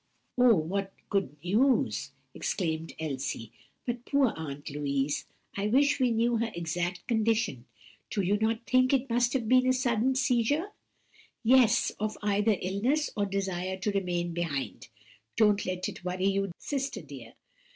"Oh, what good news!" exclaimed Elsie. "But poor Aunt Louise! I wish we knew her exact condition. Do you not think it must have been a sudden seizure?" "Yes, of either illness or desire to remain behind. Don't let it worry you, sister dear.